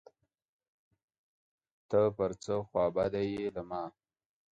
ته پر څه خوابدی یې له ما